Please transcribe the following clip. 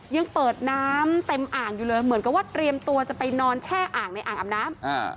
ยังเปิดน้ำเต็มอ่างอยู่เลยเหมือนกับว่าเตรียมตัวจะไปนอนแช่อ่างในอ่างอาบน้ำ